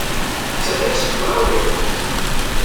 Terra-tt deg uɛewwiq.